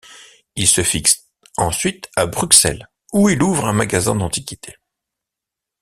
Il se fixe ensuite à Bruxelles, où il ouvre un magasin d'antiquités.